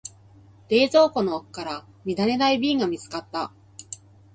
冷蔵庫の奥から見慣れない瓶が見つかった。